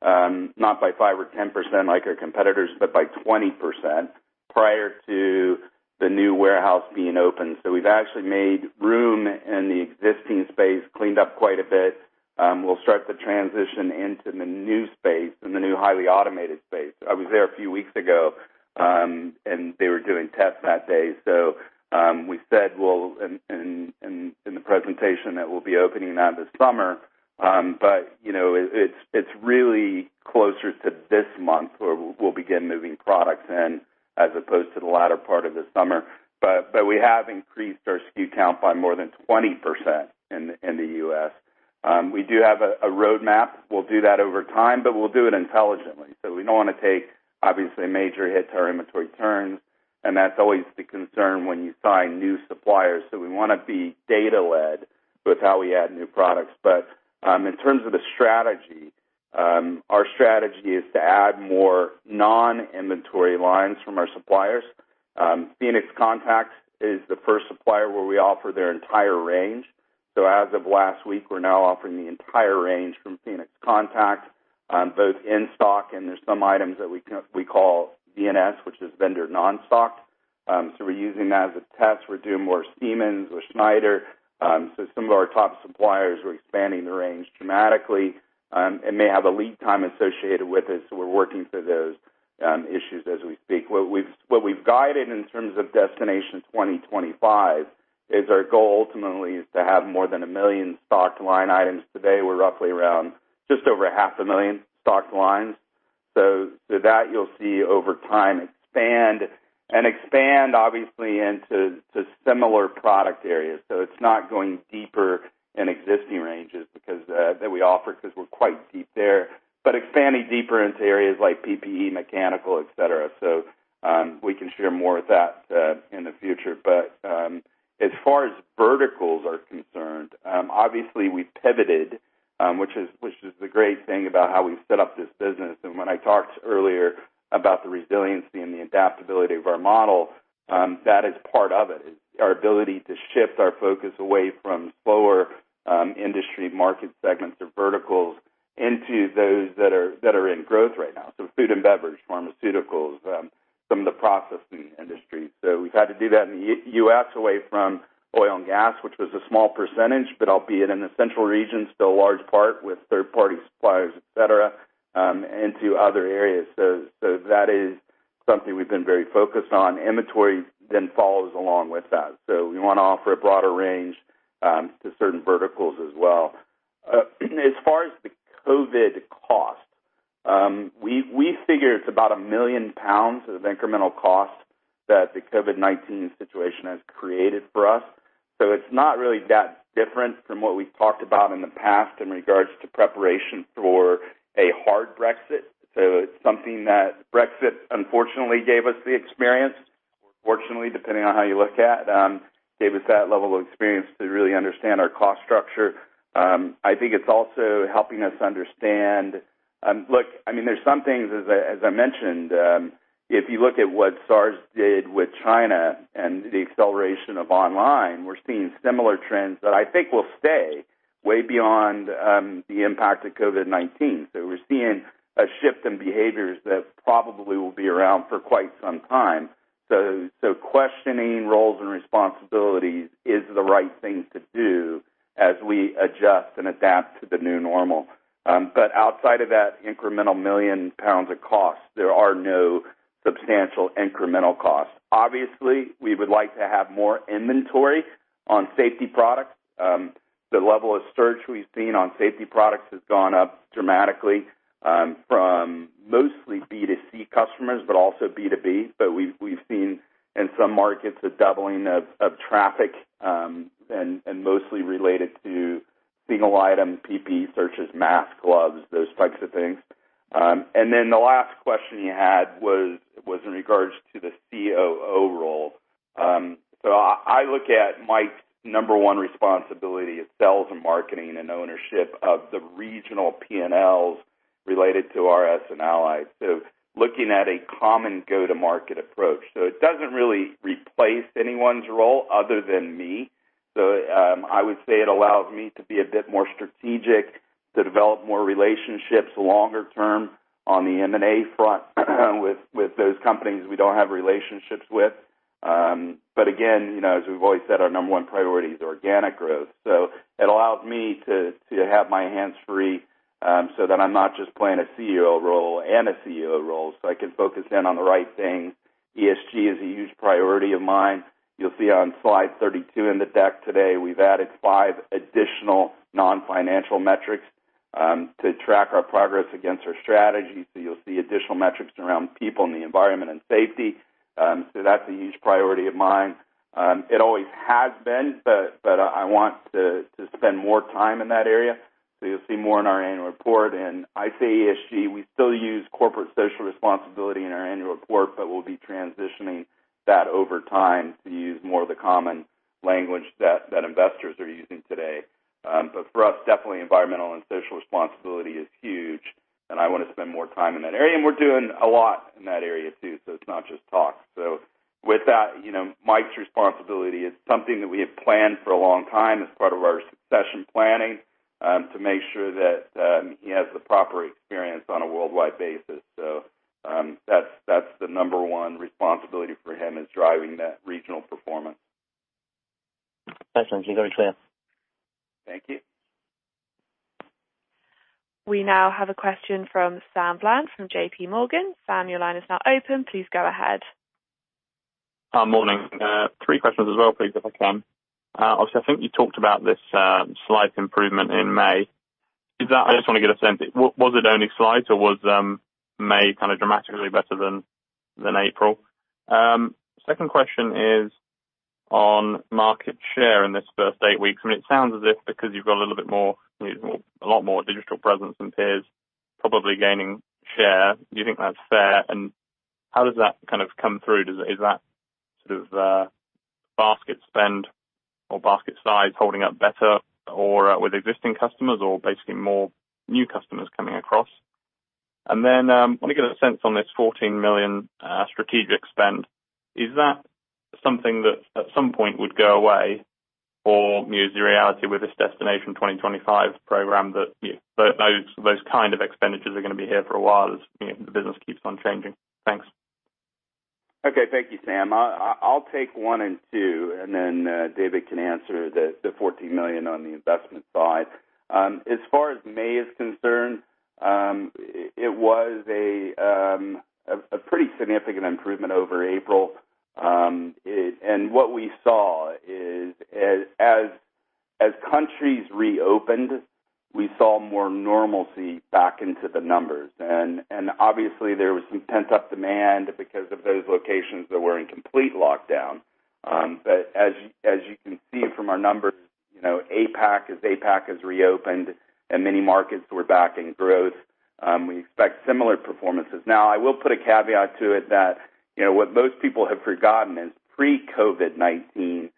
not by 5% or 10% like our competitors, but by 20% prior to the new warehouse being open. We've actually made room in the existing space, cleaned up quite a bit. We'll start the transition into the new space, in the new highly automated space. I was there a few weeks ago, they were doing tests that day. We said in the presentation that we'll be opening that this summer, but it's really closer to this month where we'll begin moving products in as opposed to the latter part of the summer. We have increased our SKU count by more than 20% in the U.S. We do have a roadmap. We'll do that over time, but we'll do it intelligently. We don't want to take, obviously, major hits to our inventory turns, and that's always the concern when you sign new suppliers. We want to be data-led with how we add new products. In terms of the strategy, our strategy is to add more non-inventory lines from our suppliers. Phoenix Contact is the first supplier where we offer their entire range. As of last week, we're now offering the entire range from Phoenix Contact, both in stock and there's some items that we call VNS, which is vendor non-stock. We're using that as a test. We're doing more Siemens with Schneider. Some of our top suppliers, we're expanding the range dramatically, and they have a lead time associated with it, so we're working through those issues as we speak. What we've guided in terms of Destination 2025 is our goal ultimately is to have more than 1 million stocked line items. Today, we're roughly around just over half a million stocked lines. That you'll see over time expand and expand obviously into similar product areas. It's not going deeper in existing ranges that we offer because we're quite deep there, but expanding deeper into areas like PPE, mechanical, et cetera. We can share more of that in the future. As far as verticals are concerned, obviously we've pivoted, which is the great thing about how we've set up this business. When I talked earlier about the resiliency and the adaptability of our model, that is part of it, is our ability to shift our focus away from slower industry market segments or verticals into those that are in growth right now. Food and beverage, pharmaceuticals, some of the processing industries. We've had to do that in the U.S. away from oil and gas, which was a small percentage, but albeit in the central region, still a large part with third-party suppliers, et cetera, into other areas. That is something we've been very focused on. Inventory follows along with that. We want to offer a broader range to certain verticals as well. As far as the COVID-19 cost, we figure it's about 1 million pounds of incremental cost that the COVID-19 situation has created for us. It's not really that different from what we've talked about in the past in regards to preparation for a hard Brexit. It's something that Brexit unfortunately gave us the experience. Fortunately, depending on how you look at, gave us that level of experience to really understand our cost structure. I think it's also helping us understand. Look, there's some things, as I mentioned, if you look at what SARS did with China and the acceleration of online, we're seeing similar trends that I think will stay way beyond the impact of COVID-19. We're seeing a shift in behaviors that probably will be around for quite some time. Questioning roles and responsibilities is the right thing to do as we adjust and adapt to the new normal. Outside of that incremental 1 million pounds of cost, there are no substantial incremental costs. Obviously, we would like to have more inventory on safety products. The level of search we've seen on safety products has gone up dramatically from mostly B2C customers, but also B2B. We've seen in some markets, a doubling of traffic and mostly related to single item PPE searches, masks, gloves, those types of things. The last question you had was in regards to the COO role. I look at Mike's number one responsibility is sales and marketing and ownership of the regional P&Ls related to RS and Allied. Looking at a common go-to-market approach. It doesn't really replace anyone's role other than me. I would say it allows me to be a bit more strategic, to develop more relationships longer term on the M&A front with those companies we don't have relationships with. Again, as we've always said, our number one priority is organic growth. It allows me to have my hands free, so that I'm not just playing a CEO role and a COO role, so I can focus in on the right thing. ESG is a huge priority of mine. You'll see on slide 32 in the deck today, we've added five additional non-financial metrics, to track our progress against our strategy. You'll see additional metrics around people and the environment and safety. That's a huge priority of mine. It always has been, but I want to spend more time in that area. You'll see more in our annual report. I say ESG, we still use corporate social responsibility in our annual report, we'll be transitioning that over time to use more of the common language that investors are using today. For us, definitely environmental and social responsibility is huge, and I want to spend more time in that area. We're doing a lot in that area too, so it's not just talk. With that, Mike's responsibility is something that we have planned for a long time as part of our succession planning, to make sure that he has the proper experience on a worldwide basis. That's the number one responsibility for him is driving that regional performance. Excellent. You're very clear. Thank you. We now have a question from Sam Bland from JPMorgan. Sam, your line is now open. Please go ahead. Morning. Three questions as well, please, if I can. Obviously, I think you talked about this slight improvement in May. I just want to get a sense, was it only slight, or was May kind of dramatically better than April? Second question is on market share in this first eight weeks. I mean, it sounds as if because you've got a lot more digital presence than peers, probably gaining share. Do you think that's fair? How does that kind of come through? Is that sort of basket spend or basket size holding up better or with existing customers or basically more new customers coming across? Want to get a sense on this 14 million strategic spend. Is that something that at some point would go away or is the reality with this Destination 2025 program that those kind of expenditures are going to be here for a while as the business keeps on changing? Thanks. Okay. Thank you, Sam. I'll take one and two. David can answer the 14 million on the investment side. As far as May is concerned, it was a pretty significant improvement over April. What we saw is as countries reopened, we saw more normalcy back into the numbers. Obviously, there was some pent-up demand because of those locations that were in complete lockdown. As you can see from our numbers, APAC has reopened, and many markets were back in growth. We expect similar performances. I will put a caveat to it that, what most people have forgotten is pre-COVID-19,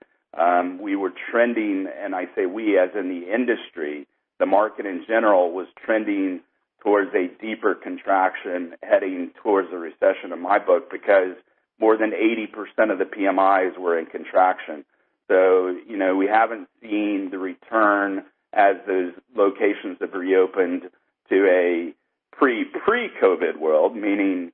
we were trending, and I say we, as in the industry, the market in general was trending towards a deeper contraction heading towards a recession in my book because more than 80% of the PMIs were in contraction. We haven't seen the return as those locations have reopened to a pre-COVID world, meaning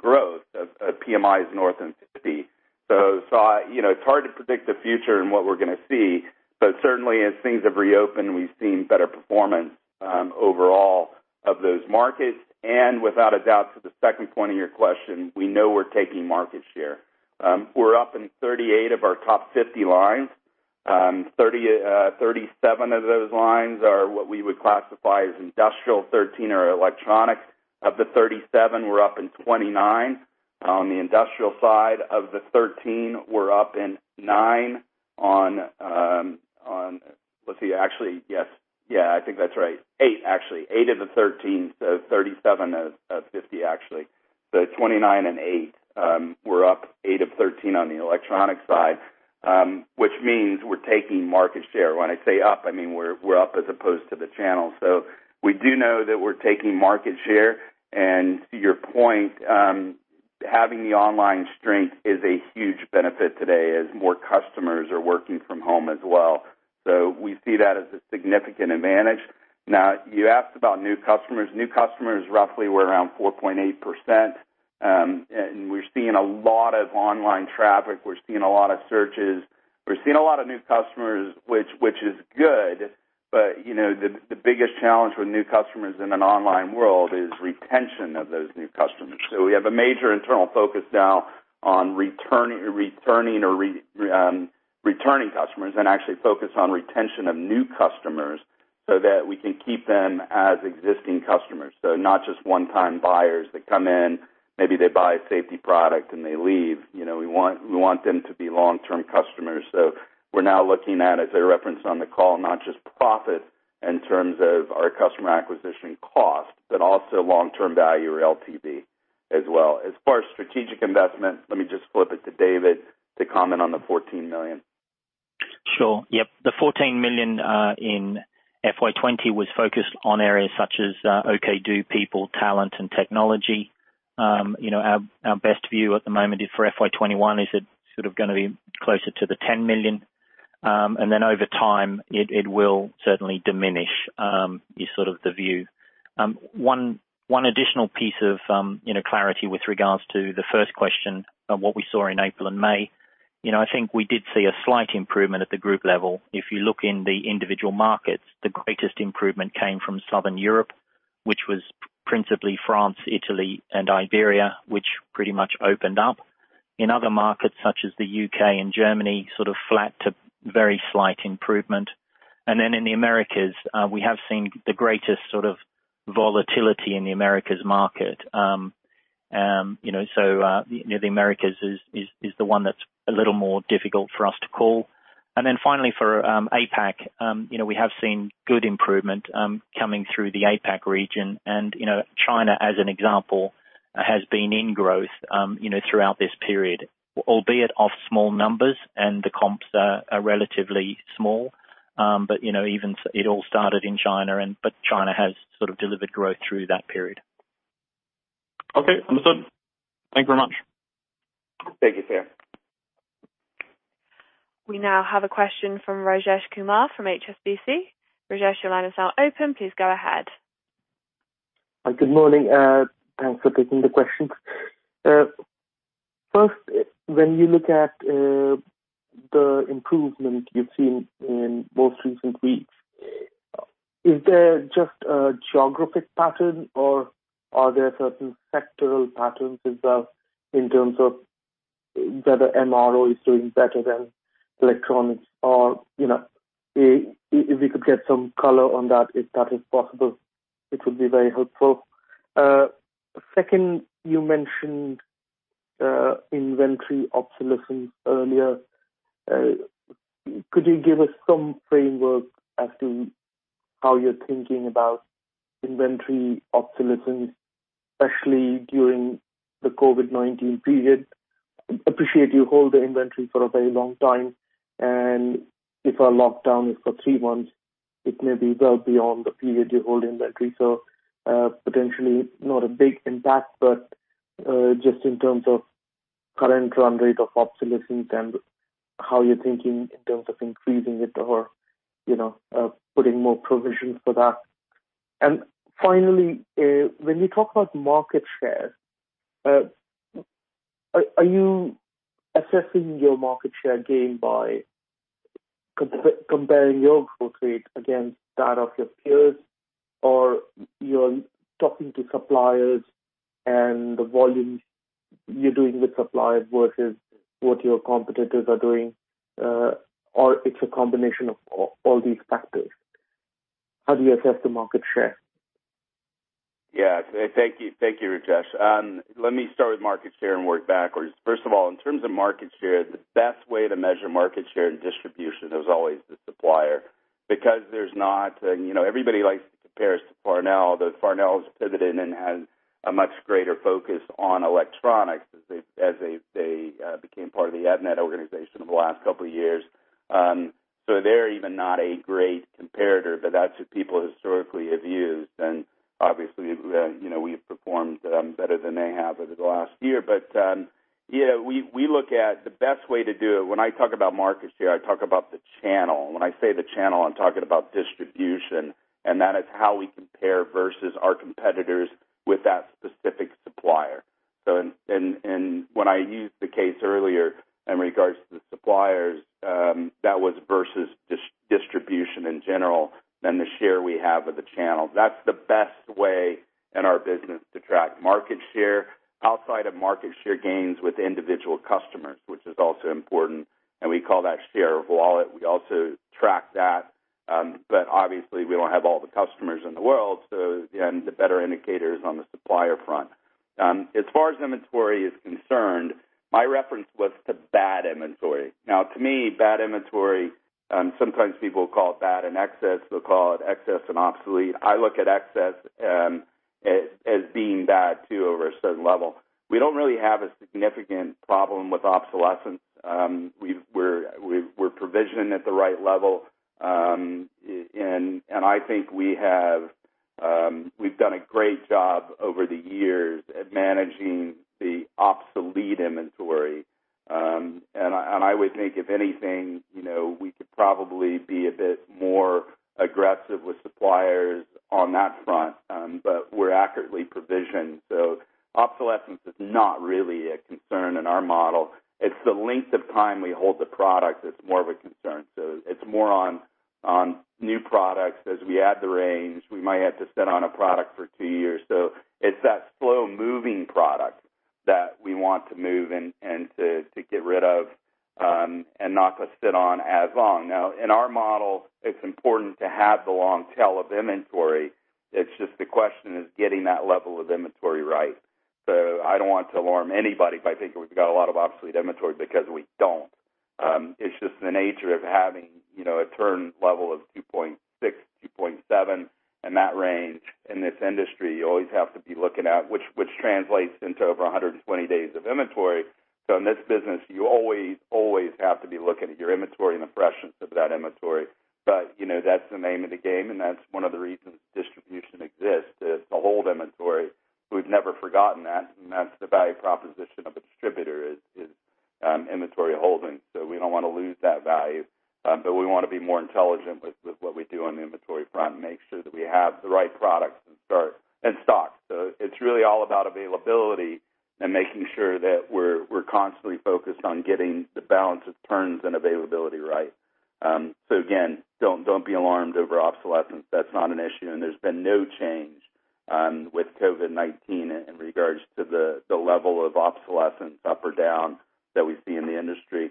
growth of PMIs north of 50. It's hard to predict the future and what we're going to see, but certainly as things have reopened, we've seen better performance overall of those markets, and without a doubt to the second point of your question, we know we're taking market share. We're up in 38 of our top 50 lines. 37 of those lines are what we would classify as industrial, 13 are electronic. Of the 37, we're up in 29. On the industrial side of the 13, we're up in nine. Let's see, actually, yes. Yeah, I think that's right. Eight, actually. Eight of the 13. 37 of 50, actually. 29 and eight. We're up eight of 13 on the electronic side, which means we're taking market share. When I say up, I mean we're up as opposed to the channel. We do know that we're taking market share. To your point, having the online strength is a huge benefit today as more customers are working from home as well. We see that as a significant advantage. Now, you asked about new customers. New customers, roughly we're around 4.8%. We're seeing a lot of online traffic. We're seeing a lot of searches. We're seeing a lot of new customers, which is good. The biggest challenge with new customers in an online world is retention of those new customers. We have a major internal focus now on returning customers and actually focus on retention of new customers so that we can keep them as existing customers. Not just one-time buyers that come in, maybe they buy a safety product and they leave. We want them to be long-term customers. We're now looking at, as I referenced on the call, not just profit in terms of our customer acquisition cost, but also long-term value or LTV as well. As far as strategic investment, let me just flip it to David to comment on the 14 million. Sure. Yep. The 14 million in FY 2020 was focused on areas such as OKdo people, talent, and technology. Our best view at the moment is for FY 2021 is it sort of going to be closer to the 10 million. Over time, it will certainly diminish, is sort of the view. One additional piece of clarity with regards to the first question on what we saw in April and May. I think we did see a slight improvement at the group level. If you look in the individual markets, the greatest improvement came from Southern Europe, which was principally France, Italy, and Iberia, which pretty much opened up. In other markets such as the U.K. and Germany, sort of flat to very slight improvement. In the Americas, we have seen the greatest sort of volatility in the Americas market. The Americas is the one that's a little more difficult for us to call. Finally for APAC, we have seen good improvement coming through the APAC region. China, as an example, has been in growth throughout this period, albeit off small numbers and the comps are relatively small. It all started in China, but China has sort of delivered growth through that period. Okay, understood. Thank you very much. Thank you, sir. We now have a question from Rajesh Kumar from HSBC. Rajesh, your line is now open. Please go ahead. Good morning. Thanks for taking the questions. First, when you look at the improvement you've seen in most recent weeks, is there just a geographic pattern or are there certain sectoral patterns as well in terms of whether MRO is doing better than electronics? If we could get some color on that, if that is possible, it would be very helpful. Second, you mentioned inventory obsolescence earlier. Could you give us some framework as to how you're thinking about inventory obsolescence, especially during the COVID-19 period? Appreciate you hold the inventory for a very long time, and if a lockdown is for three months, it may be well beyond the period you hold inventory. Potentially not a big impact, but just in terms of current run rate of obsolescence and how you're thinking in terms of increasing it or putting more provisions for that. Finally, when you talk about market share, are you assessing your market share gain by comparing your growth rate against that of your peers, or you're talking to suppliers and the volumes you're doing with suppliers versus what your competitors are doing? It's a combination of all these factors. How do you assess the market share? Yeah. Thank you, Rajesh. Let me start with market share and work backwards. First of all, in terms of market share, the best way to measure market share and distribution is always the supplier. Everybody likes to compare us to Farnell. Though Farnell's pivoted and has a much greater focus on electronics as they became part of the Avnet organization over the last couple of years. They're even not a great comparator, but that's what people historically have used. Obviously, we've performed better than they have over the last year. We look at the best way to do it. When I talk about market share, I talk about the channel. When I say the channel, I'm talking about distribution, and that is how we compare versus our competitors with that specific supplier. When I used the case earlier in regards to the suppliers, that was versus distribution in general than the share we have with the channel. That's the best way in our business to track market share outside of market share gains with individual customers, which is also important, and we call that share of wallet. We also track that. Obviously we don't have all the customers in the world, so again, the better indicator is on the supplier front. As far as inventory is concerned, my reference was to bad inventory. To me, bad inventory, sometimes people call it bad and excess. They'll call it excess and obsolete. I look at excess as being bad too, over a certain level. We don't really have a significant problem with obsolescence. We're provisioning at the right level. I think we've done a great job over the years at managing the obsolete inventory. I would think, if anything, we could probably be a bit more aggressive with suppliers on that front. We're accurately provisioned. Obsolescence is not really a concern in our model. It's the length of time we hold the product that's more of a concern. It's more on new products, as we add the range, we might have to sit on a product for two years. It's that slow-moving product that we want to move and to get rid of and not to sit on as long. Now, in our model, it's important to have the long tail of inventory. It's just the question is getting that level of inventory right. I don't want to alarm anybody by thinking we've got a lot of obsolete inventory because we don't. It's just the nature of having a turn level of 2.6, 2.7, in that range. In this industry, you always have to be looking at, which translates into over 120 days of inventory. In this business, you always have to be looking at your inventory and the freshness of that inventory. That's the name of the game, and that's one of the reasons distribution exists, is to hold inventory. We've never forgotten that, and that's the value proposition of a distributor, is inventory holding. We don't want to lose that value. We want to be more intelligent with what we do on the inventory front and make sure that we have the right products in stock. It's really all about availability and making sure that we're constantly focused on getting the balance of turns and availability right. Again, don't be alarmed over obsolescence. That's not an issue. There's been no change with COVID-19 in regards to the level of obsolescence up or down that we see in the industry.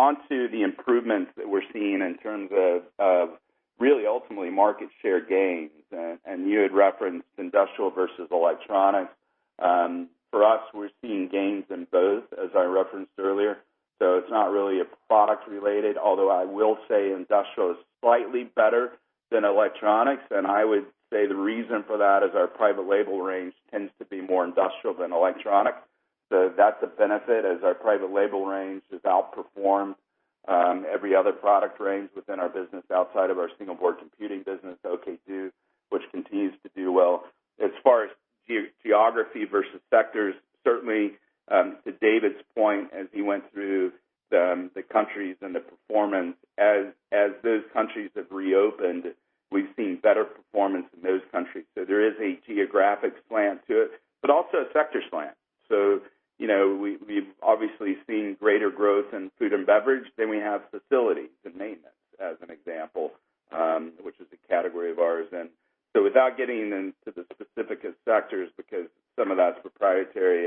On to the improvements that we're seeing in terms of really ultimately market share gains. You had referenced industrial versus electronic. For us, we're seeing gains in both, as I referenced earlier, so it's not really a product related, although I will say industrial is slightly better than electronics. I would say the reason for that is our private label range tends to be more industrial than electronic. That's a benefit as our private label range has outperformed every other product range within our business outside of our single board computing business, OKdo, which continues to do well. As far as geography versus sectors, certainly, to David's point, as he went through the countries and the performance, as those countries have reopened, we've seen better performance in those countries. There is a geographic slant to it, but also a sector slant. We've obviously seen greater growth in food and beverage than we have facilities and maintenance, as an example, which is a category of ours. Without getting into the specific of sectors, because some of that's proprietary,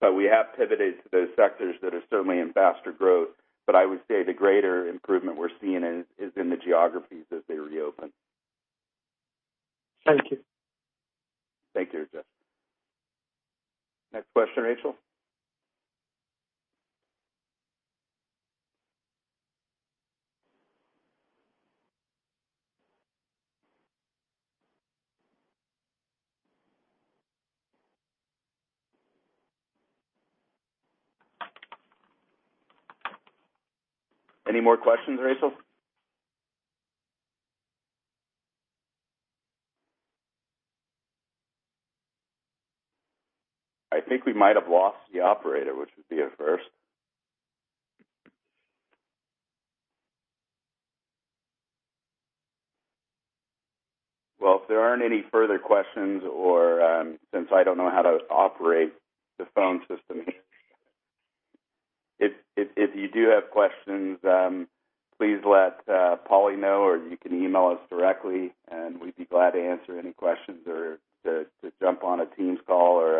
but we have pivoted to those sectors that are certainly in faster growth. I would say the greater improvement we're seeing is in the geographies as they reopen. Thank you. Thank you, Rajesh. Next question, Rachel. Any more questions, Rachel? I think we might have lost the operator, which would be a first. Well, if there aren't any further questions, or since I don't know how to operate the phone system if you do have questions, please let Polly know, or you can email us directly, and we'd be glad to answer any questions or to jump on a Teams call or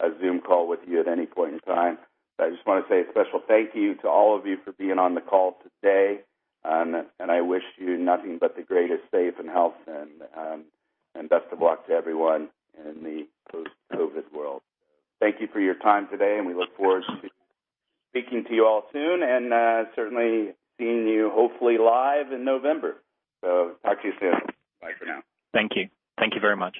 a Zoom call with you at any point in time. I just want to say a special thank you to all of you for being on the call today. I wish you nothing but the greatest safe and health and best of luck to everyone in the post-COVID world. Thank you for your time today, and we look forward to speaking to you all soon and certainly seeing you, hopefully, live in November. Talk to you soon. Bye for now. Thank you. Thank you very much.